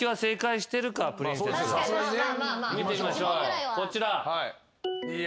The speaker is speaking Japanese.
見てみましょうこちら。